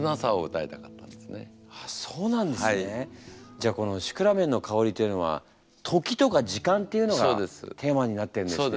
じゃあこの「シクラメンのかほり」というのは時とか時間っていうのがテーマになってるんですね。